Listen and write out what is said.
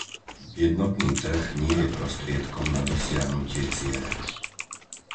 Jednotný trh nie je prostriedkom na dosiahnutie cieľa.